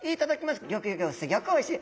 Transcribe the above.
ギョギョギョすギョくおいしい！